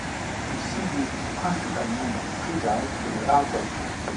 Il s'illustre principalement dans le free jazz et le hard bop.